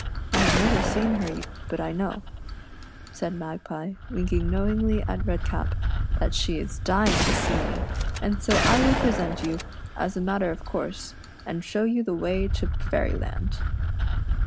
I have never seen her, but I know," said Magpie, winking knowingly at Redcap, " that she is dying to see me, and so I will present you, as a matter of course, and show you the way to Fairyland."